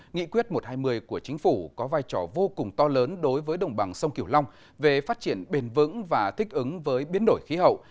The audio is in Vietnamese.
nghị quyết một trăm hai mươi của chính phủ có vai trò vô cùng to lớn đối với đồng bằng sông kiểu long về phát triển bền vững và thích ứng với biến đổi khí hậu